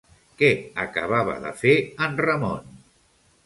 Què acabava de fer, en Ramon?